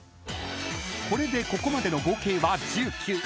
［これでここまでの合計は１９］